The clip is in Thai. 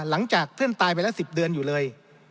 หลังจากเพื่อนตายไปแล้ว๑๐เดือนอยู่เลย